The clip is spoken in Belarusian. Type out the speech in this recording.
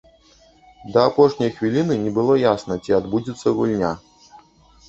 Да апошняй хвіліны не было ясна, ці адбудзецца гульня.